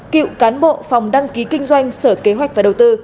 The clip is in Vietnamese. cựu cán bộ phòng đăng ký kinh doanh sở kế hoạch và đầu tư